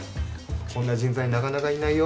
こんな人材なかなかいないよ。